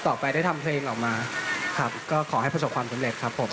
ต่อไปได้ทำเพลงออกมาครับก็ขอให้ประสบความสำเร็จครับผม